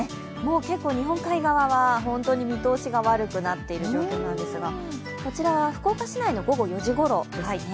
結構、日本海側は本当に見通しが悪くなっている状況なんですがこちらは福岡市内の午後４時ごろですね。